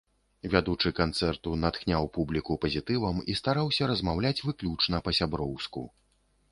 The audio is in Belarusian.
Вядучы канцэрту натхняў публіку пазітывам і стараўся размаўляць выключна па-сяброўску.